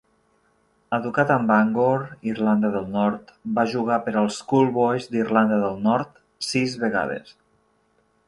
Educat en Bangor, Irlanda del Nord, va jugar per als Schoolboys d"Irlanda del Nord sis vegades.